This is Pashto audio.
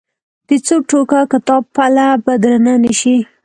د څو ټوکه کتاب پله به درنه نه شي.